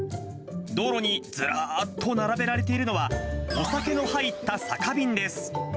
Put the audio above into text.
道路にずらっと並べられているのは、お酒の入った酒瓶です。